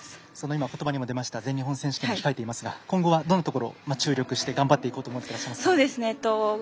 今、言葉にも出ました全日本選手権が控えていますが今後はどんなところに注力して頑張っていこうと思っていますか。